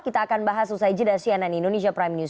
kita akan bahas selesai di indonesia prime news